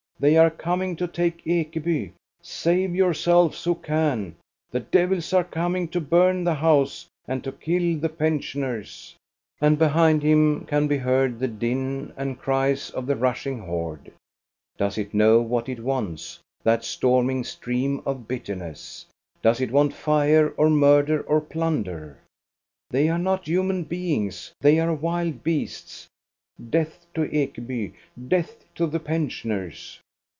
" They are coming to take Ekeby ! Save yourselves who can ! The devils are coming to burn the house and to kill the pensioners !" And behind him can be heard the din and cries of the rushing horde. Does it know what it wants, that storming stream of bitterness.' Does it want fire, or murder, or plunder? They are not human beings; they are wild beasts. Death to Ekeby, death to the pensioners!